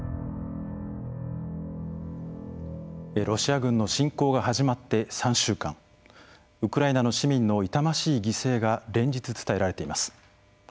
ロシア軍の侵攻が始まって３週間ウクライナの市民の痛ましい犠牲が連日伝えられています。